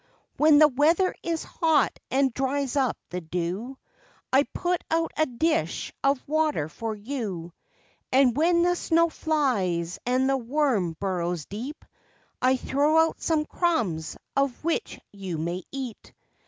"When the weather is hot and dries up the dew, I put out a dish of water for you, And when the snow flies and the worm burrows deep I throw out some crumbs of which you may eat.